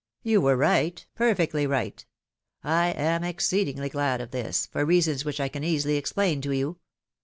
"You were right, perfectly right. I am exceedingly glad of this, for reasons which I can easily explain to you.